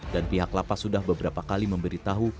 dan pihak lapas sudah beberapa kali memberi tahu